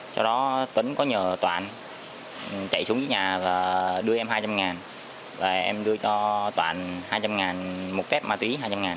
sau đó tấn có nhờ toàn chạy xuống dưới nhà và đưa em hai trăm linh em đưa cho toàn hai trăm linh một phép ma túy hai trăm linh